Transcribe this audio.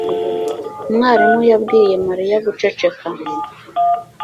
Umwarimu yabwiye Mariya guceceka